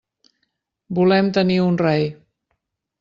Volem tenir un rei.